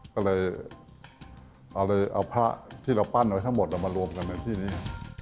ก็เลยเอาพระที่เราปั้นไว้ทั้งหมดเรามารวมกันในที่นี้